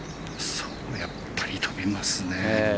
やっぱり飛びますね。